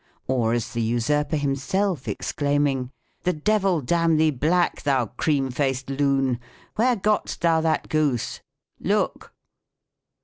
Or as the usurper himself, exclaiming, " The devil damn thee black, thou cream faced loon ! Where got'st thou that goose ? Look